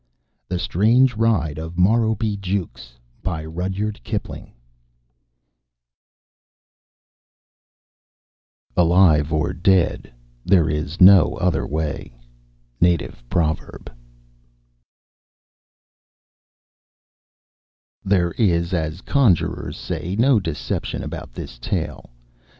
THE STRANGE RIDE OF MORROWBIE JUKES Alive or dead there is no other way. Native Proverb. There is, as the conjurers say, no deception about this tale.